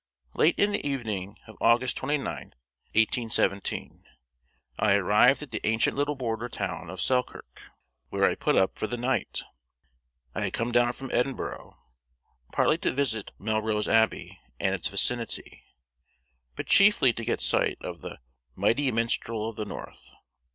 Late in the evening of August 29, 1817, I arrived at the ancient little border town of Selkirk, where I put up for the night. I had come down from Edinburgh, partly to visit Melrose Abbey and its vicinity, but chiefly to get sight of the "mighty minstrel of the north."